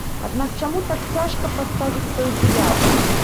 Аднак чаму так цяжка паставіць той дыягназ?